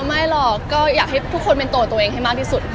ไม่หรอกก็อยากให้ทุกคนเป็นตัวตัวเองให้มากที่สุดค่ะ